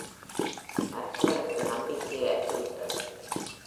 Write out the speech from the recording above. மருத்துவனுக்கு நம்பிக்கை அற்று விட்டது.